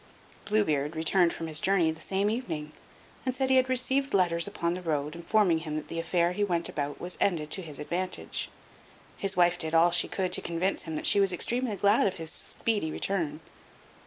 Blue Beard returned from his journey the same evening, and said he had received letters upon the road, informing him that the affair he went about was ended to his advantage. His wife did all she could to convince him she was extremely glad of his speedy return.